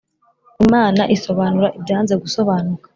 imana isonanura ibyanze gusobanuka